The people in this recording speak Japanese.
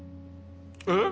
えっ？